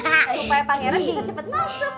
supaya pangeran bisa cepet masuk